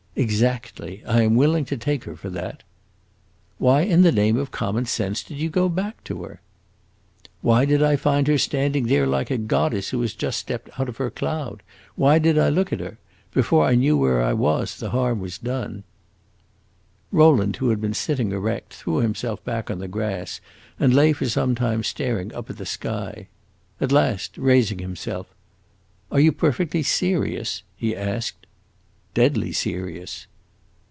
"Exactly. I am willing to take her for that." "Why in the name of common sense did you go back to her?" "Why did I find her standing there like a goddess who had just stepped out of her cloud? Why did I look at her? Before I knew where I was, the harm was done." Rowland, who had been sitting erect, threw himself back on the grass and lay for some time staring up at the sky. At last, raising himself, "Are you perfectly serious?" he asked. "Deadly serious."